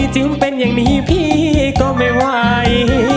จึงเป็นอย่างนี้พี่ก็ไม่ไหว